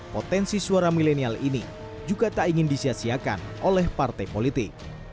potensi suara milenial ini juga tak ingin disiasiakan oleh partai politik